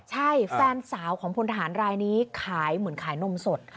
ใช่แฟนสาวของพลทหารรายนี้ขายเหมือนขายนมสด